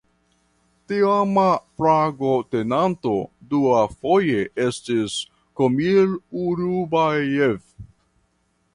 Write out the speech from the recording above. Teama flagotenanto duafoje estis "Komil Urunbajev".